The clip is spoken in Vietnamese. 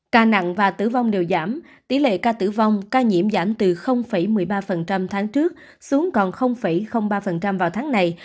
ca nặng và tử vong đều giảm tỷ lệ ca tử vong ca nhiễm giảm từ một mươi ba tháng trước xuống còn ba vào tháng này